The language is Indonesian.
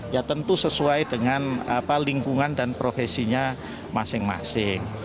ya tentu sesuai dengan lingkungan dan profesinya masing masing